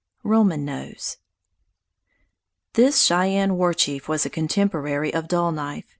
ROMAN NOSE This Cheyenne war chief was a contemporary of Dull Knife.